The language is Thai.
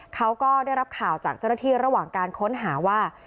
เขาก็ได้รับข่าวจากเจ้าหน้าที่ระหว่างการค้นหาว่า